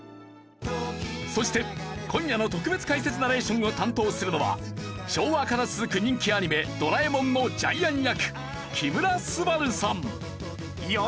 そして今夜の特別解説ナレーションを担当するのは昭和から続く人気アニメ『ドラえもん』のジャイアン役木村昴さん。